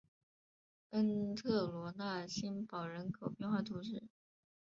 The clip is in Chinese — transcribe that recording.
恩特罗讷新堡人口变化图示